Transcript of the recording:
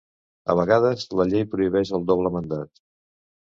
A vegades, la llei prohibeix el doble mandat.